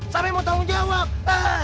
sampai mau tanggung jawab